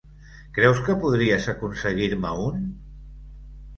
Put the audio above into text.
Creus que podries aconseguir-me un?